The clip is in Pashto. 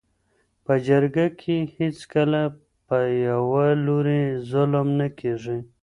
. په جرګه کي هیڅکله په یوه لوري ظلم نه کيږي.